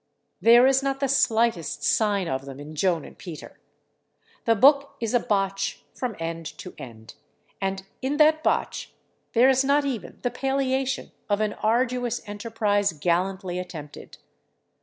There is not the slightest sign of them in "Joan and Peter." The book is a botch from end to end, and in that botch there is not even the palliation of an arduous enterprise gallantly attempted.